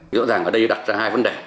rõ ràng ở đây đặt ra hai vấn đề